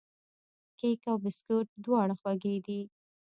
کیک او بسکوټ دواړه خوږې دي.